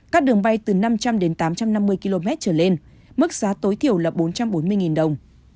các đường bay từ năm trăm linh đến tám trăm năm mươi km trở lên mức giá tối thiểu là bốn trăm bốn mươi đồng